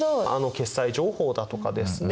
決済情報だとかですね